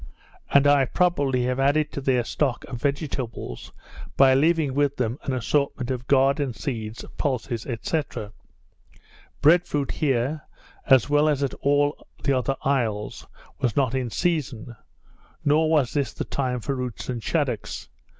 And I probably have added to their stock of vegetables, by leaving with them an assortment of garden seeds, pulse, &c. Bread fruit here, as well as at all the other isles, was not in season; nor was this the time for roots and shaddocks.